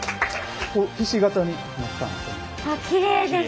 ひし形になったん分かります？